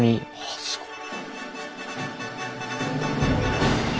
あすごい。